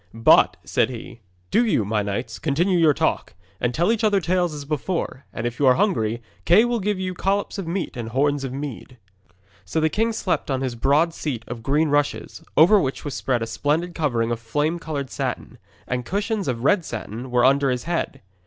'But,' said he, 'do you, my knights, continue your talk, and tell each other tales as before, and if you are hungry, Kay will give you collops of meat and horns of mead.' So the king slept on his broad seat of green rushes, over which was spread a splendid covering of flame coloured satin. And cushions of red satin were under his head.